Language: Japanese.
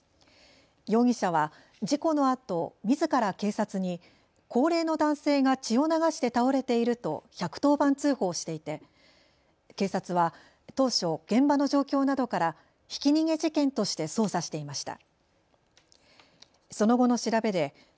容疑者は事故のあとみずから警察に高齢の男性が血を流して倒れていると１１０番通報していて警察は当初、現場の状況などからひき逃げ事件として捜査していました。